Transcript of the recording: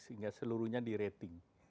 sehingga seluruhnya di rating